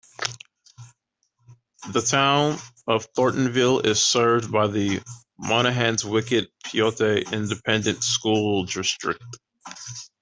The Town of Thorntonville is served by the Monahans-Wickett-Pyote Independent School District.